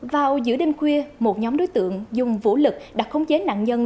vào giữa đêm khuya một nhóm đối tượng dùng vũ lực đã khống chế nạn nhân